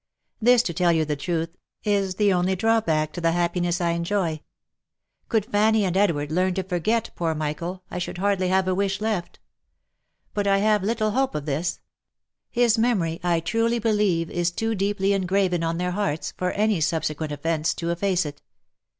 This, to tell you the truth, is the only drawback to the happiness I enjoy. Could Fanny and Edward learn to forget poor Michael, I should hardly have a wish left ; but I have little hope of this — his memory, I truly believe is too deeply engraven on their hearts, for any subsequent events to efface it.